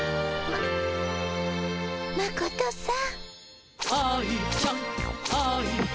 マコトさん。